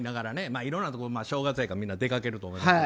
いろんなところ正月やからみんな出かけると思いますけど。